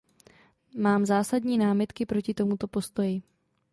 Mám zásadní námitky proti tomuto postoji.